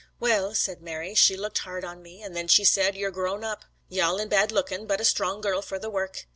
'Well,' said Mary, 'she looked hard at me, an' then she said, "You've grown up yalla an' bad lookin', but a strong girl for the work.